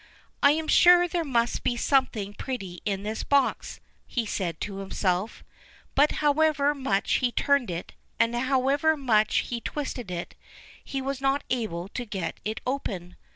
"I am sure there must be something pretty in this box," he said to himself; but however much he turned it, and however much he twisted it, he was not able to get it open.